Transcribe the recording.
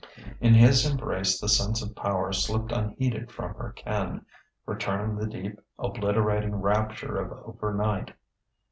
In his embrace the sense of power slipped unheeded from her ken; returned the deep, obliterating rapture of over night.